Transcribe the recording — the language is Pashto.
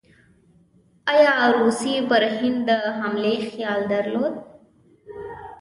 ایا روسیې پر هند د حملې خیال درلود؟